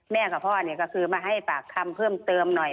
แม่กับพ่อก็คือมาให้ปากคำเพิ่มเติมหน่อย